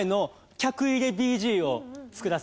客入れ